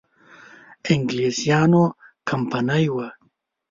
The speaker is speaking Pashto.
انګلیسیانو کمپنی وه.